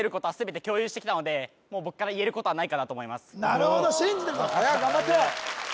なるほど信じてる頑張って！